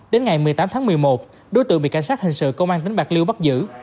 đến ngày một mươi tám tháng một mươi một đối tượng bị cảnh sát hình sự công an tỉnh bạc liêu bắt giữ